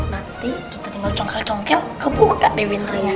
nanti kita tinggal congkel congkel kebuka deh windria